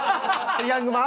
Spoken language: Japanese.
ヤングマン？